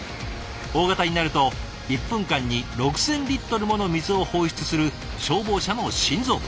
大型になると１分間に６，０００リットルもの水を放出する消防車の心臓部。